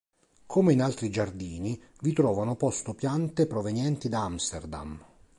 Come in altri giardini, vi trovano posto piante provenienti da Amsterdam.